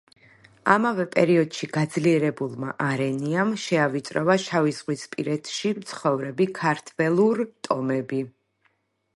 ამავე პერიოდში გაძლიერებულმა არენიამ შეავიწრობა შავიზღვისპირეთში მცხოვრები ქართველურ ტომები